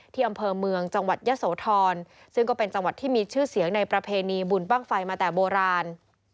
อำเภอเมืองจังหวัดยะโสธรซึ่งก็เป็นจังหวัดที่มีชื่อเสียงในประเพณีบุญบ้างไฟมาแต่โบราณ